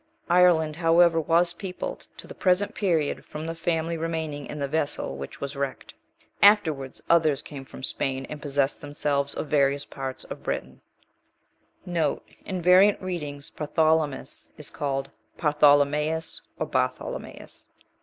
Ireland, however, was peopled, to the present period, from the family remaining in the vessel which was wrecked. Afterwards, other came from Spain, and possessed themselves of various parts of Britain. (1) V.R. Partholomaeus, or Bartholomaeus. (2) A blank is here in the MS.